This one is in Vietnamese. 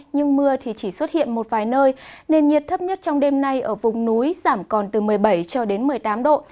nhưng mưa thì chỉ xuất hiện một vài nơi nền nhiệt thấp nhất trong đêm nay ở vùng núi giảm còn từ một mươi bảy cho đến một mươi tám độ